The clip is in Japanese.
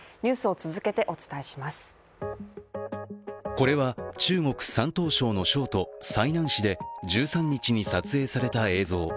これは中国山東省の省都・済南市で１３日に撮影された映像。